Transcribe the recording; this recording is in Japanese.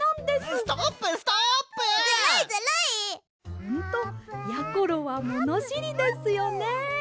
「ほんとやころはものしりですよね」。